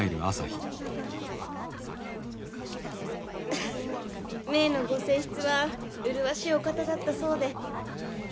アハ前のご正室は麗しいお方だったそうで。